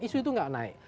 isu itu gak naik